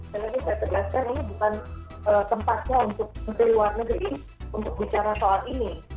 saya tergastikan ini bukan tempatnya untuk menteri luar negeri untuk bicara soal ini